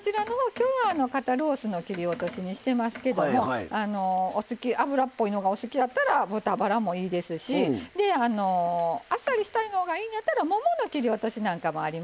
今日は肩ロースの切り落としにしてますけども脂っぽいのがお好きやったら豚バラもいいですしであっさりした方がいいんやったらももの切り落としなんかもありますよね。